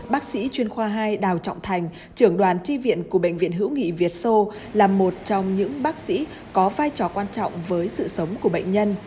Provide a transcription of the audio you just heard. bác sĩ chuyên khoa hai đào trọng thành trưởng đoàn tri viện của bệnh viện hữu nghị việt sô là một trong những bác sĩ có vai trò quan trọng với sự sống của bệnh nhân